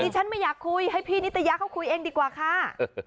ฉันไม่อยากคุยให้พี่นิตยาเขาคุยเองดีกว่าค่ะ